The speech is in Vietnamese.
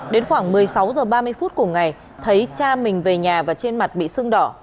đến khoảng một mươi sáu h ba mươi phút cùng ngày thấy cha mình về nhà và trên mặt bị sưng đỏ